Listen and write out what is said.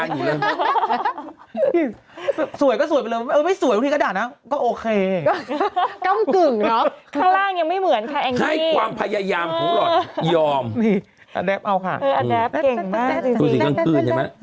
ดูสิขั้นขึ้นเนี่ยไหม